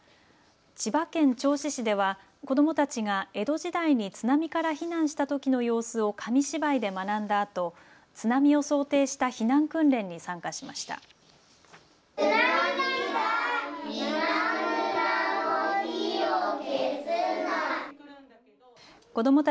千葉県銚子市では、子どもたちが江戸時代に津波から避難したときの様子を紙芝居で学んだあと津波を想定した避難訓練に参加しました。